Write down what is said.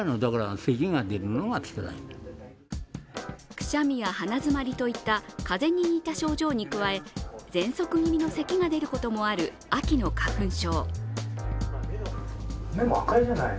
くしゃみや鼻づまりといった風邪に似た症状に加え、ぜんそく気味のせきが出ることもある秋の花粉症。